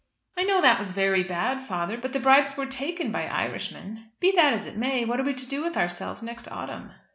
"I know that was very bad, father, but the bribes were taken by Irishmen. Be that as it may, what are we to do with ourselves next autumn?"